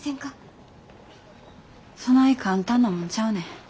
そない簡単なもんちゃうねん。